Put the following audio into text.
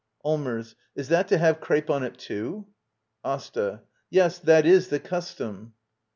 Allmers. Is that to have crepe on it, too? AsTA. Yes, that is the custom.